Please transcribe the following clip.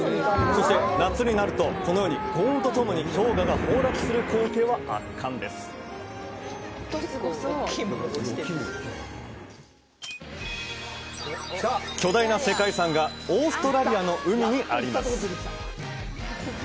そして夏になるとこのように轟音とともに氷河が崩落する光景は圧巻です巨大な世界遺産がオーストラリアの海にあります